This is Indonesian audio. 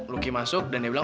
lo gak mau cobaun di situ